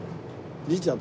律ちゃん。